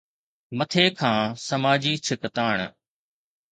مٿي کان سماجي ڇڪتاڻ.